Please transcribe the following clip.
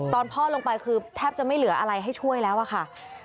ตอนพ่อลงไปคือแทบจะไม่เหลืออะไรให้ช่วยแล้วอะค่ะ